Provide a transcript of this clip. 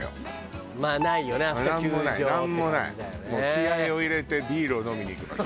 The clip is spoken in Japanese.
気合を入れてビールを飲みに行く場所。